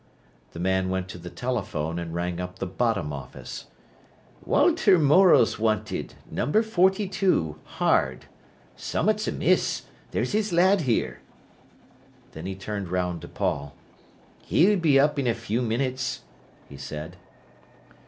The man went to the telephone and rang up the bottom office. "Walter Morel's wanted, number 42, Hard. Summat's amiss; there's his lad here." Then he turned round to Paul. "He'll be up in a few minutes," he said.